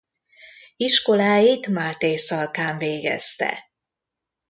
Iskoláit Mátészalkán végezte.